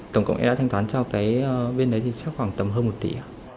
tổng cộng em đã thanh toán cho cái bên đấy thì chắc khoảng tầm hơn một tỷ